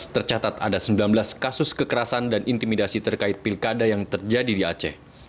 tercatat ada sembilan belas kasus kekerasan dan intimidasi terkait pilkada yang terjadi di aceh